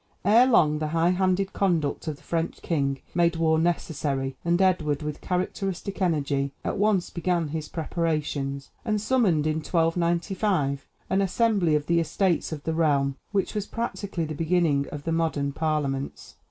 Ere long the high handed conduct of the French king made war necessary, and Edward, with characteristic energy, at once began his preparations, and summoned in 1295 an assembly of the estates of the realm, which was practically the beginning of the modern parliaments.